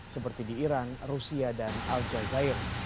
seperti di iran rusia dan al jazeera